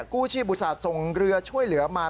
กู้ชีพอุตส่าห์ส่งเรือช่วยเหลือมา